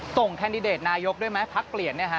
ส่งแคนดิเดตนายกด้วยไหมพักเปลี่ยน